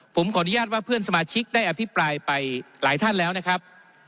ผมขออนุญาตว่าเพื่อนสมาชิกได้อภิปรายไปหลายท่านแล้วนะครับ